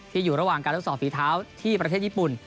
อยู่ระหว่างการทดสอบฝีเท้าที่ประเทศญี่ปุ่น